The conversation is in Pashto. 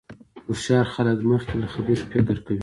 هوښیار خلک مخکې له خبرې فکر کوي.